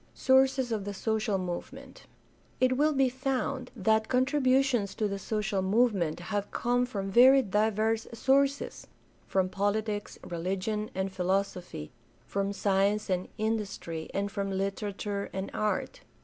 Sources of the social movement. — It will be found that contributions to the social movement have come from very diverse sources — from politics, religion, and philosophy, from science and industry, and from literature and art.